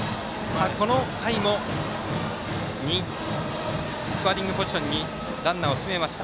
この回もスコアリングポジションにランナーを進めました。